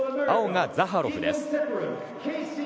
青がザハロフです。